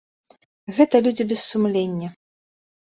Гэта людзі без сумлення.